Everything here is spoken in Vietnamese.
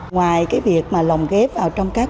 ngoài cái việc mà lồng ghép vào trong các